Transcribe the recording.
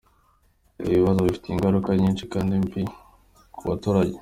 Ibi bibazo bifite ingaruka nyinshi kandi mbi ku baturage.